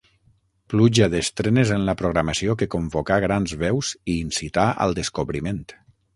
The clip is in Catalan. Pluja d'estrenes en la programació que convocà grans veus i incità al descobriment.